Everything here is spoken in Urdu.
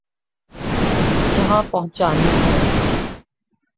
جہاں پہنچانی ہوں۔